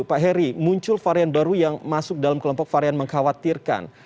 pak heri muncul varian baru yang masuk dalam kelompok varian mengkhawatirkan